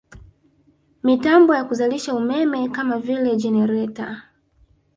Mitambo ya kuzalisha umeme kama vile jenereta